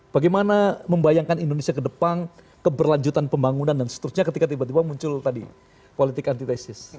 bagaimana membayangkan indonesia ke depan keberlanjutan pembangunan dan seterusnya ketika tiba tiba muncul tadi politik antitesis